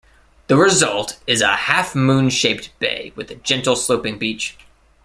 The result is a half-moon-shaped bay with a gentle sloping beach.